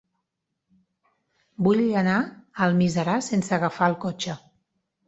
Vull anar a Almiserà sense agafar el cotxe.